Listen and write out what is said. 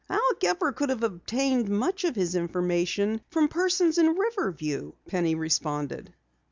"Al Gepper could have obtained much of his information from persons in Riverview," Penny responded.